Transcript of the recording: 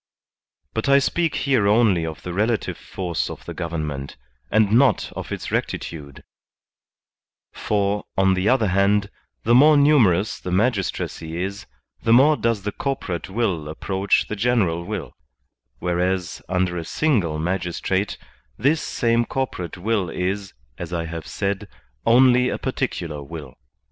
But I speak here only of the relative force of the gov ernment, and not of its rectitude ; for, on the other hand, the more numerous the magistracy is, the more does the corporate will approach the general will; whereas, under a single magistrate, this same corporate will is, as I have said, only a particular will.